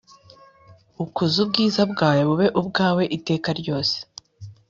Ukuza ubwiza bwawe bube ubwawe iteka ryose